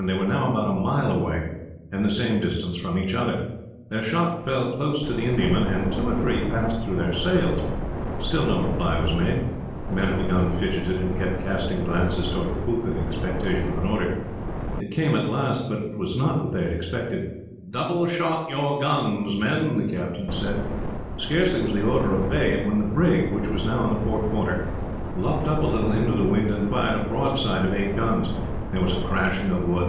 They were now about a mile away, and the same distance from each other. Their shot fell close to the Indiaman, and two or three passed through her sails. Still no reply was made. The men at the guns fidgeted, and kept casting glances towards the poop, in expectation of an order. It came at last, but was not what they had expected. "Double shot your guns, men," the captain said. Scarcely was the order obeyed when the brig, which was now on the port quarter, luffed up a little into the wind, and fired a broadside of eight guns. There was a crashing of wood.